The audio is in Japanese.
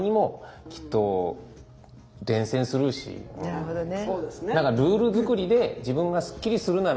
なるほどね。